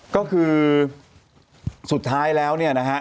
ก็คือสุดท้ายแล้วเนี่ยนะฮะ